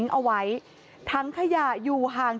เจ้าของห้องเช่าโพสต์คลิปนี้